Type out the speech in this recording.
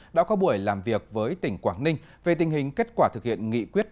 đã có buổi làm việc với tỉnh quảng ninh về tình hình kết quả thực hiện nghị quyết